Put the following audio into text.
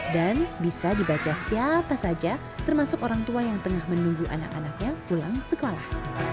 dan bisa dibaca siapa saja termasuk orang tua yang tengah menunggu anak anaknya pulang sekolah